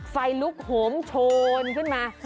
ไฟลุกโหมโชนขึ้นมา